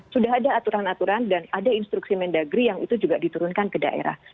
sudah ada aturan aturan dan ada instruksi mendagri yang itu juga diturunkan ke daerah